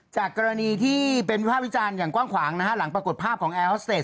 จากกรณีที่เป็นวิภาพวิจารณ์อย่างกว้างขวางนะฮะหลังปรากฏภาพของแอร์ฮอสเตจ